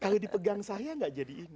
kalau dipegang perempuan kan jadi indah